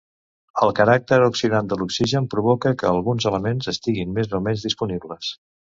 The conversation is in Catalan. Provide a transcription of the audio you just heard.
El caràcter oxidant de l'oxigen provoca que alguns elements estiguin més o menys disponibles.